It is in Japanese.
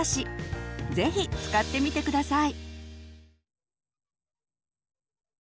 是非使ってみて下さい。